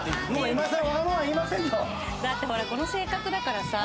「だってほらっこの性格だからさ